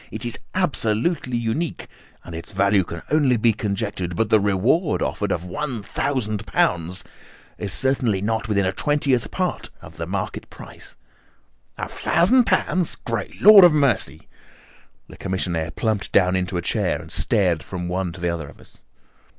It is absolutely unique, and its value can only be conjectured, but the reward offered of £ 1000 is certainly not within a twentieth part of the market price." "A thousand pounds! Great Lord of mercy!" The commissionaire plumped down into a chair and stared from one to the other of us.